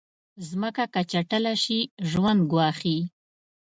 مځکه که چټله شي، ژوند ګواښي.